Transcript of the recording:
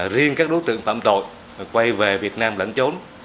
riêng các đối tượng phạm tội quay về việt nam lãnh trốn